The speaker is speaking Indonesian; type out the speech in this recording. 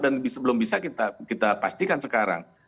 dan belum bisa kita pastikan sekarang